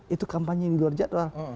itu kampanye di luar jadwal